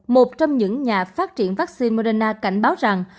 một trong những nhà phát triển vaccine morena cảnh báo rằng